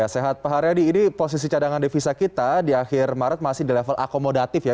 sehat pak haryadi ini posisi cadangan devisa kita di akhir maret masih di level akomodatif ya